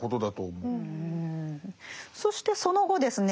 そしてその後ですね